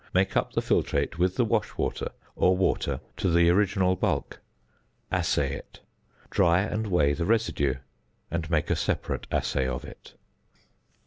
Make up the filtrate with the wash water or water to the original bulk. Assay it. Dry and weigh the residue, and make a separate assay of it.